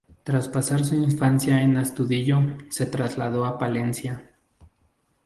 Tras pasar su infancia en Astudillo, se trasladó a Palencia.